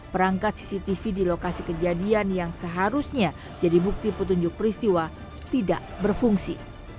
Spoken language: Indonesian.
perangkat cctv di lokasi kejadian yang seharusnya jadi bukti petunjuk peristiwa tidak berfungsi